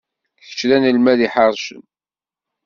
Kečč d anelmad iḥercen.